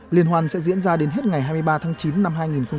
liên hoan sẽ diễn ra đến hết ngày hai mươi ba tháng chín năm hai nghìn một mươi tám